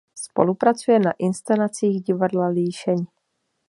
Spolupracuje na inscenacích Divadla Líšeň.